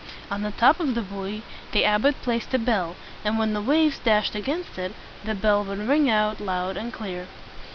On the top of the buoy the abbot placed a bell; and when the waves dashed against it, the bell would ring out loud and clear.